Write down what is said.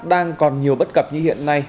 đang còn nhiều bất cập như hiện nay